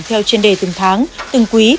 theo trên đề từng tháng từng quý